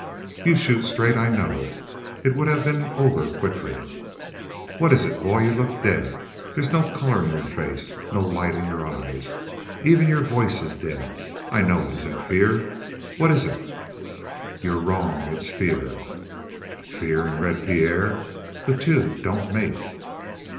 "You shoot straight I know it would have been over quickly." "What is it, boy? You look dead there's no color in your face, no light in your eyes, even your voice is dead. I know it isn't fear. What is it?" "You're wrong. It's fear." "Fear and Red Pierre. The two don't mate."